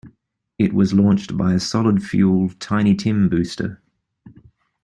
It was launched by a solid fuel Tiny Tim booster.